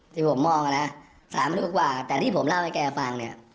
ที่ผมมองนะ๓ลูกว่าแต่ที่ผมเล่าให้แกฟังเนี่ย